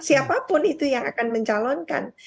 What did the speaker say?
siapapun itu yang akan mencalonkan